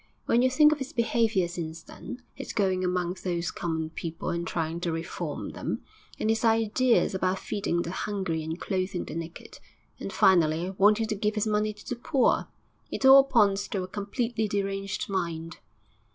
When you think of his behaviour since then his going among those common people and trying to reform them, and his ideas about feeding the hungry and clothing the naked, and finally wanting to give his money to the poor it all points to a completely deranged mind.'